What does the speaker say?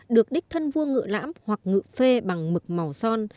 được đích thân vua ngự lãm hoặc ngự phê bằng mực màu son